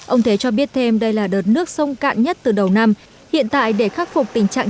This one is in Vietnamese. ông thế cho biết thêm đây là đợt nước sông cạn nhất từ đầu năm hiện tại để khắc phục tình trạng